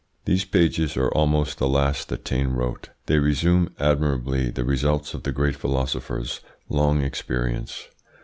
These pages are almost the last that Taine wrote. They resume admirably the results of the great philosopher's long experience.